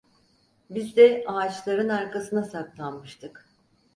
Biz de ağaçların arkasına saklanmıştık.